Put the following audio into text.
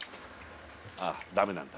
あぁダメなんだ。